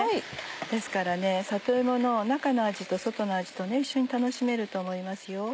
ですから里芋の中の味と外の味と一緒に楽しめると思いますよ。